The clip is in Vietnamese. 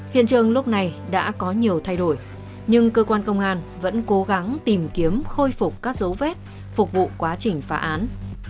hiện trường lúc này đã có nhiều thay đổi nhưng cơ quan công an vẫn cố gắng tìm kiếm khôi phục các dấu vết phục vụ quá trình phá án